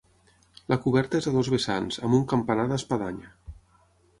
La coberta és a dos vessants amb un campanar d'espadanya.